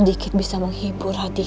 tidak bisa sangat menghargai